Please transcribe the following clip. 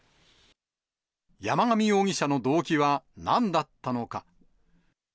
山上容疑者の動機はなんだったのか。